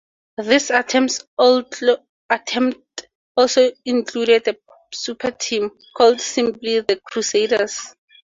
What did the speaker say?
This attempt also included a super team, called simply "The Crusaders".